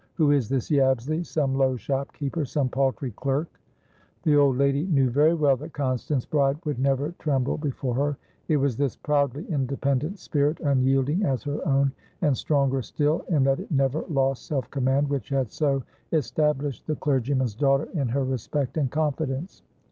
Who is this Yabsley? Some low shopkeeper? Some paltry clerk?" The old lady knew very well that Constance Bride would never tremble before her. It was this proudly independent spirit, unyielding as her own, and stronger still in that it never lost self command, which had so established the clergyman's daughter in her respect and confidence.